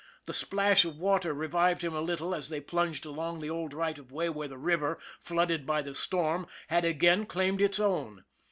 The splash of water revived him a little as they plunged along the old right of way where the river, flooded by the storm, had again claimed its own.